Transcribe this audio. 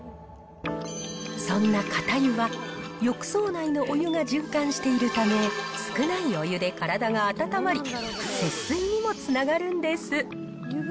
そんな肩湯は、浴槽内のお湯が循環しているため、少ないお湯で体が温まり、節水にもつながるんです。